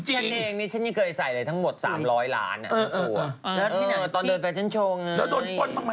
ฉันเองฉันนี่เคยใส่เลยทั้งหมด๓๐๐ล้านตัวตัวตอนเดินแฟชั่นโชว์ไง